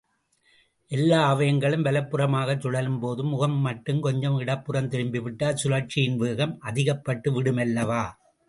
எல்லா அவயங்களும் வலப்புறமாகச் சுழலும்போது முகம் மட்டும் கொஞ்சம் இடப்புறம் திரும்பிவிட்டால் சுழற்சியின் வேகம் அதிகப்பட்டுவிடுமல்லவா?